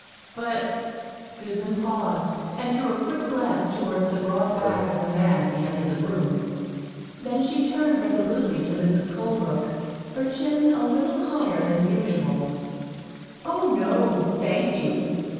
"But " Susan paused and threw a quick glance toward the broad back of the man at the end of the room. Then she turned resolutely to Mrs. Colebrook, her chin a little higher than usual. "Oh, no, thank you.